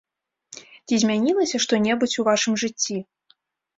Ці змянілася што-небудзь у вашым жыцці?